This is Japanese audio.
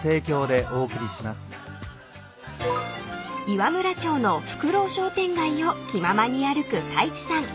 ［岩村町のふくろう商店街を気ままに歩く太一さん］